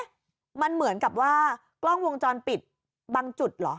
มันเหมือนกับว่ากล้องวงจรปิดบางจุดเหรอ